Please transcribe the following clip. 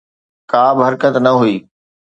ڪابه حرڪت نه هئي.